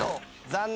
残念！